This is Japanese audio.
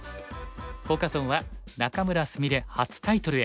フォーカス・オンは「仲邑菫初タイトルへ！